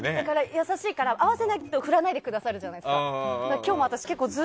優しいから合わせないと振らないでくださるじゃないですか。